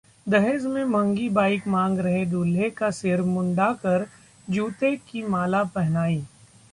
दहेज में महंगी बाइक मांग रहे दूल्हे का सिर मूंडाकर जूते की माला पहनाई